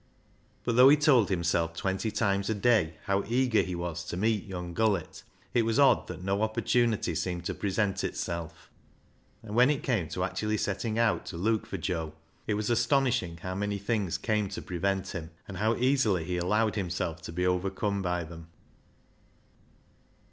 But though he told himself twenty times a day how eager he was to meet young Gullett, it was odd that no opportunity seemed to present itself, and when it came to actually setting out to look for Joe, it was astonishing how many things came to prevent him, and how easily he allowed himself to be overcome by them.